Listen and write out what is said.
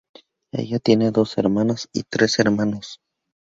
Ella tiene dos hermanas y tres hermanos.